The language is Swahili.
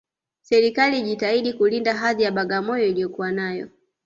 Serikali ijitahidi kuilinda hadhi ya Bagamoyo iliyokuwa nayo